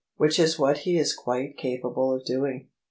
Which is what he is quite capable of doing."